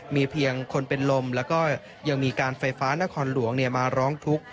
มีเพียงคนเป็นลมแล้วก็ยังมีการไฟฟ้านครหลวงมาร้องทุกข์